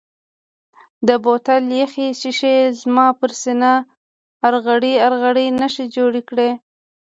د بوتل یخې شیشې زما پر سینه ارغړۍ ارغړۍ نښې جوړې کړې.